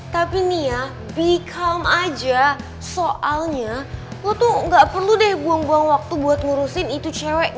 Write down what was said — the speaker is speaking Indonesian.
tapi nih ya be calm aja soalnya lo tuh ga perlu deh buang buang waktu buat ngurusin itu cewek